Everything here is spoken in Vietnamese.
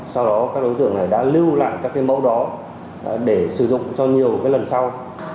sau đó các đối tượng này đã lưu lại các cái mẫu đó để sử dụng cho nhiều lần sau